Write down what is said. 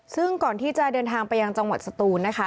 ซึ่งก่อนที่จะเดินทางไปยังจังหวัดสตูนนะคะ